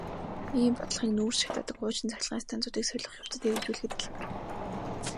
Ийм бодлогыг нүүрс шатаадаг хуучин цахилгаан станцуудыг солих явцад хэрэгжүүлэхэд хялбар.